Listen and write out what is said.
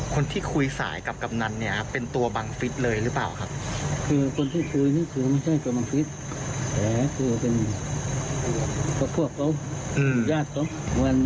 คนที่คุยสายกับกำหนันเป็นตัวบังฤทธิภัณฑ์เลยหรือเปล่าครับ